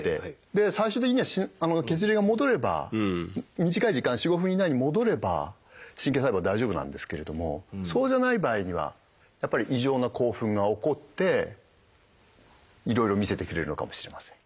で最終的には血流が戻れば短い時間４５分以内に戻れば神経細胞は大丈夫なんですけれどもそうじゃない場合にはやっぱり異常な興奮が起こっていろいろ見せてくれるのかもしれません。